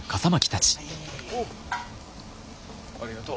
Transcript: ありがとう。